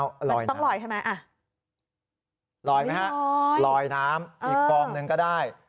มันต้องลอยใช่ไหมลอยไหมลอยน้ำอีกก่อมนึงก็ได้